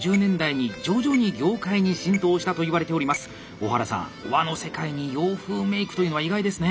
小原さん和の世界に洋風メイクというのは意外ですね！